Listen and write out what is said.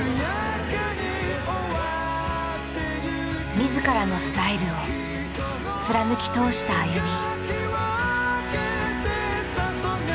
自らのスタイルを貫き通したＡＹＵＭＩ。